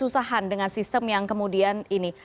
atau kesusahan dengan sistem yang kemudian ini